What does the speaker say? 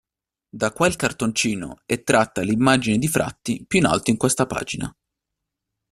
Da quel cartoncino è tratta l'immagine di Fratti più in alto in questa pagina.